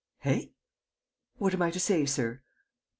"Eh?" "What am I to say, sir?"